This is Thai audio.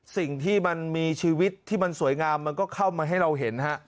สิ่งที่มันมีชีวิตที่มันสวยงามมันก็เข้ามาให้เราเห็นฮะ